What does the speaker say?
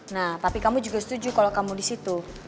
nah papi kamu juga setuju kalo kamu disitu